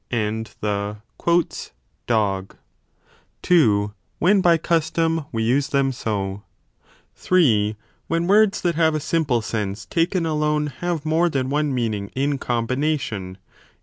and the dog ; (2) when by custom we use them so ; (3) when words that have a simple sense taken alone have more than one meaning in com 1 Cf. PI. Euthyd.